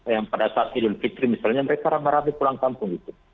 yang pada saat idul fitri misalnya mereka rame rame pulang kampung gitu